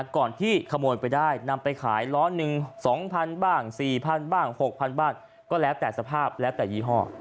ก่อนที่ขโมยไปได้นำไปขายล้อหนึ่ง๒๐๐บ้าง๔๐๐บ้าง๖๐๐บ้างก็แล้วแต่สภาพแล้วแต่ยี่ห้อ